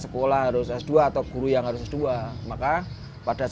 kung laden pak diono ber gearbox baklas